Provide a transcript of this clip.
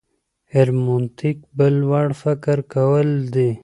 هرمنوتیک بل وړ فکر کول دي.